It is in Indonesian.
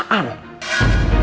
hal yang bisa diri